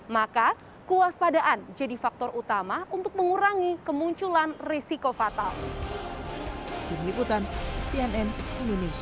maka kuas padaan jadi faktor utama untuk mengurangi kemunculan risiko fatal dikutam cnn indonesia